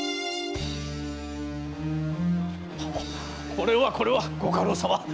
これはこれはご家老様。